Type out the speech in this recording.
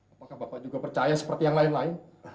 apakah bapak juga percaya seperti yang lain lain